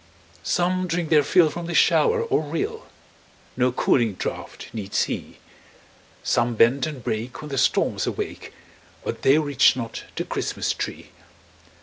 Some drink their fill from the shower or rill; No cooling draught needs he; Some bend and break when the storms awake, But they reach not the Christmas tree.